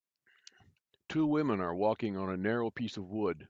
Two women are walking on a narrow piece of wood.